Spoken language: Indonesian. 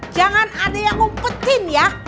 jangan ada yang ngumpetin ya